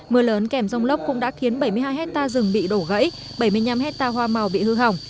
mưa lớn kèm rông lốc cũng đã khiến bảy mươi hai hectare rừng bị đổ gãy bảy mươi năm hectare hoa màu bị hư hỏng